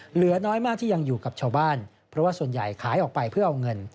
เหลือน้อยมากที่ยังอยู่กับชาวบ้านเพราะว่าส่วนใหญ่ขายออกไปเพื่อเอาเงิน